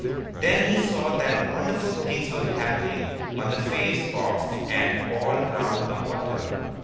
Then he saw that wonderful things were happening on the face of and all round the water.